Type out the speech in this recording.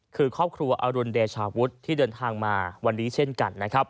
คือครอบครัวอรุณเดชาวุฒิที่เดินทางมาวันนี้เช่นกันนะครับ